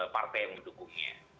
partai yang mendukungnya